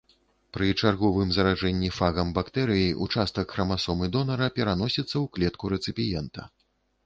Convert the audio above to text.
Пры чарговым заражэнні фагам бактэрыі ўчастак храмасомы донара пераносіцца ў клетку рэцыпіента.